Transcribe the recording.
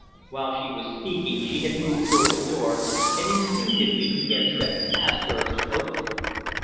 While she was speaking she had moved toward the door, and instinctively he had stepped past her to open it.